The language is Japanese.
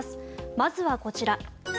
まずはこちら。